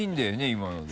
今ので。